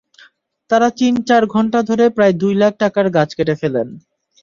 তাঁরা তিন-চার ঘণ্টা ধরে প্রায় দুই লাখ টাকার গাছ কেটে ফেলেন।